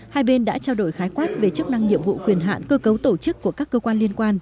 hai bên đã trao đổi khái quát về chức năng nhiệm vụ quyền hạn cơ cấu tổ chức của các cơ quan liên quan